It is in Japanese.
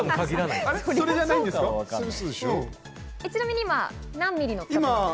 ちなみに今、何ミリの？